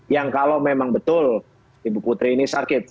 yang kalau memang betul ibu putri ini sakit